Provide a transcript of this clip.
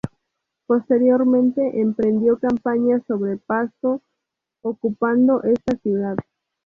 Posteriormente emprendió campaña sobre Pasto, ocupando esta ciudad.